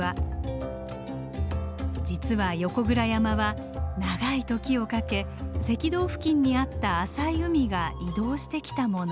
実は横倉山は長い時をかけ赤道付近にあった浅い海が移動してきたもの。